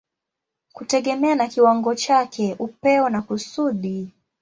kutegemea na kiwango chake, upeo na kusudi.